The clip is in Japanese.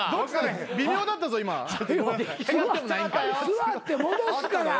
座って戻すから。